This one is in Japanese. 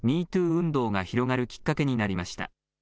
運動が広がるきっかけになりました。